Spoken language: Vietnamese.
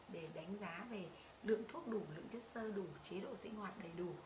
để đánh giá về lượng thuốc đủ lượng chất sơ đủ chế độ sinh hoạt đầy đủ